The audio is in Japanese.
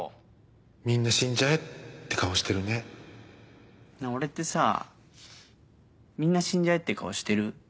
「みんな死んじゃえ」っなぁ俺ってさ「みんな死んじゃえ」って顔してる？